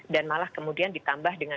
dan malah kemudian ditambah dengan